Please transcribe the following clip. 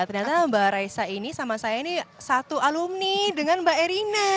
ternyata mbak raisa ini sama saya ini satu alumni dengan mbak erina